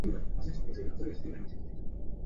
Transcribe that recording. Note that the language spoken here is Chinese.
妈妈因为太冷就自己关机了